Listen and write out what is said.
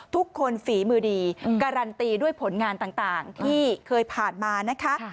ฝีมือดีการันตีด้วยผลงานต่างที่เคยผ่านมานะคะ